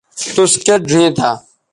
توس کیئت ڙھئیں تھا